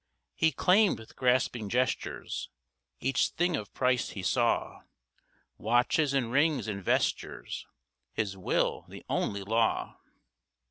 He claimed with grasping gestures Each thing of price he saw, Watches and rings and vestures, His will the only law.